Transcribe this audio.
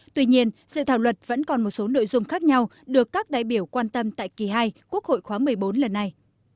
tuy nhiên sự thảo luật vẫn còn một số nội dung khác nhau được các đại biểu quan tâm tại kỳ hai quốc hội khóa một mươi bốn lần này